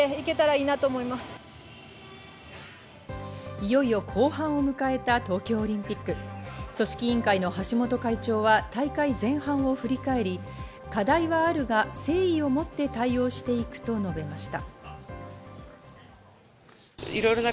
いよいよ後半を迎えた東京オリンピック、組織委員会の橋本会長は大会前半を振り返り、課題はあるが誠意をもって対応していくと述べました。